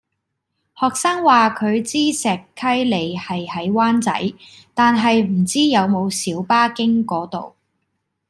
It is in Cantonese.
學生話佢知石溪里係喺灣仔，但係唔知有冇小巴經嗰度